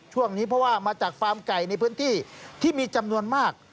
ช่วงนี้เพราะว่ามาจากฟาร์มไก่ในพื้นที่ที่มีจำนวนมาก